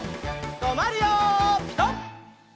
とまるよピタ！